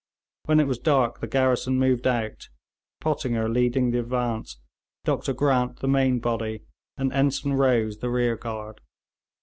When it was dark, the garrison moved out, Pottinger leading the advance, Dr Grant the main body, and Ensign Rose the rear guard.